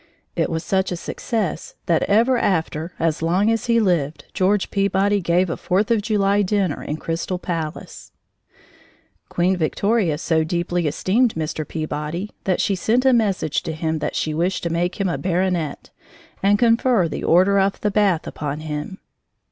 It was such a success that ever after, as long as he lived, George Peabody gave a Fourth of July dinner in Crystal Palace. Queen Victoria so deeply esteemed Mr. Peabody that she sent a message to him that she wished to make him a baronet, and confer the Order of the Bath upon him.